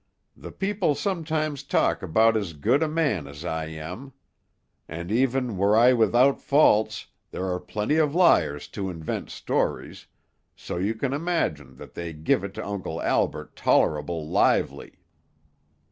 The people sometimes talk about as good a man as I am, and even were I without faults, there are plenty of liars to invent stories, so you can imagine that they give it to Uncle Albert tolerable lively."